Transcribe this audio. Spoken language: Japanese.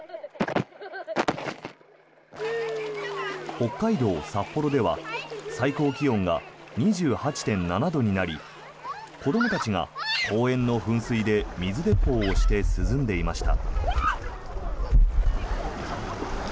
北海道札幌では最高気温が２８．７度になり子どもたちが公園の噴水で水鉄砲をして涼んでいました。